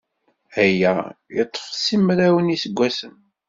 Aya yeḍḍef simraw n yiseggasen.